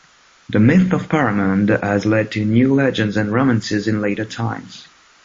The myth of Pharamond has led to new legends and romances in later times.